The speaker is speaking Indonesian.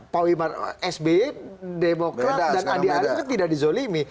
pak wimar sby demokrasi dan andi arief kan tidak di zolimi